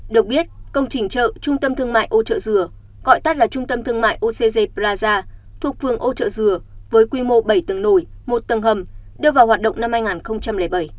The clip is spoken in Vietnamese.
được biết công trình chợ trung tâm thương mại ô trợ dừa gọi tắt là trung tâm thương mại ocg plaza thuộc phường âu trợ dừa với quy mô bảy tầng nổi một tầng hầm đưa vào hoạt động năm hai nghìn bảy